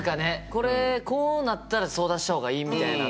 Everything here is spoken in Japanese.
これこうなったら相談した方がいいみたいなっていう。